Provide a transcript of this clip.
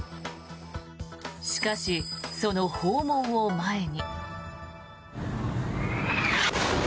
しかし、その訪問を前に。